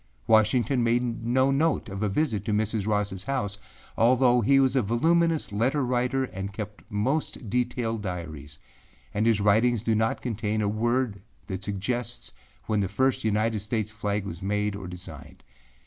Washington made no note of a visit to Mrs. Rossâ house, although he was a voluminous letter writer and kept most detailed diaries, and his writings do not contain a word that suggests when the first United States flag was made or designed.